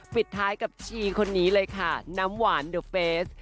ปิดท้ายกับชีคนนี้เลยค่ะน้ำหวานเดอะเฟส